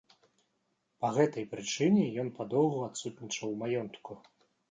Па гэтай прычыне ён падоўгу адсутнічаў у маёнтку.